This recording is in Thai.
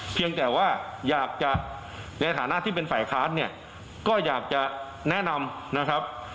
เพียงแต่ว่าอยากจะในฐานะที่เป็นฝ่ายค้านเนี่ยก็อยากจะแนะนำนะครับ